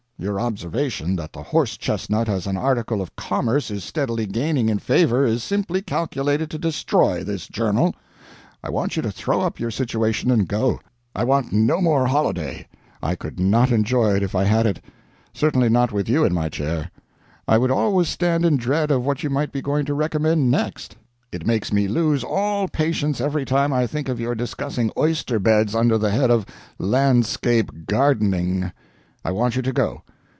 Your observation that the horse chestnut as an article of commerce is steadily gaining in favor is simply calculated to destroy this journal. I want you to throw up your situation and go. I want no more holiday I could not enjoy it if I had it. Certainly not with you in my chair. I would always stand in dread of what you might be going to recommend next. It makes me lose all patience every time I think of your discussing oyster beds under the head of 'Landscape Gardening.' I want you to go.